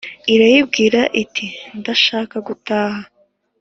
irayibwira, iti « ndashaka gutaha